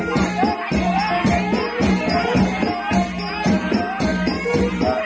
ตกใจใช่มั้ย